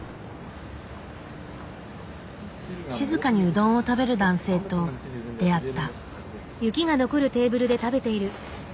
静かにうどんを食べる男性と出会った。